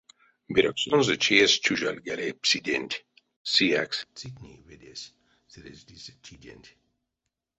Берёксонзо чеесь тюжалгали псиденть, сиякс цитни ведесь сыреждиця чиденть.